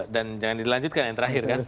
dan jangan dilanjutkan yang terakhir kan